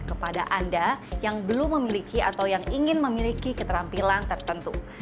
kepada anda yang belum memiliki atau yang ingin memiliki keterampilan tertentu